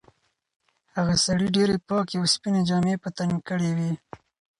هغه سړي ډېرې پاکې او سپینې جامې په تن کړې وې.